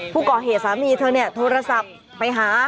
ผู้ก่อเหตุสามีเธอโทรศัพท์ไปหา